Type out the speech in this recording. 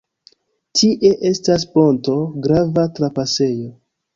Tie estas ponto, grava trapasejo.